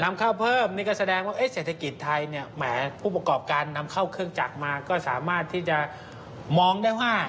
นำเข้าเพิ่มนี่ก็แสดงว่าเศรษฐกิจไทยเนี่ยแหมผู้ประกอบการนำเข้าเครื่องจักรมาก็สามารถที่จะมองได้ว่า